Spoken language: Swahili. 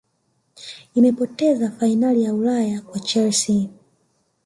imepoteza fainali ya Ulaya kwa chelsea